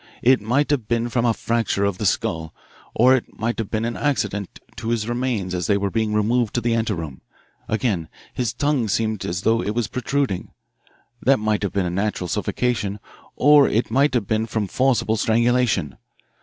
It might have been from a fracture of the skull or it might have been an accident to his remains as they were being removed to the anteroom. Again, his tongue seemed as though it was protruding. That might have been natural suffocation, or it might have been from forcible strangulation.